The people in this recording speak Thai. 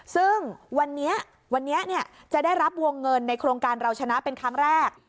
ซึ่งวันนี้วันนี้จะได้รับวงเงินในโครงการเราชนะเป็นครั้งแรก